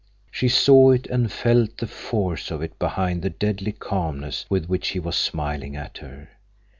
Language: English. She saw it and felt the force of it behind the deadly calmness with which he was smiling at her.